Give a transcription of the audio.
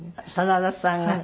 真田さんが？